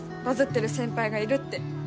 バズってる先輩がいるって。